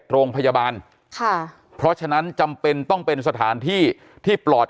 โรงพยาบาลค่ะเพราะฉะนั้นจำเป็นต้องเป็นสถานที่ที่ปลอด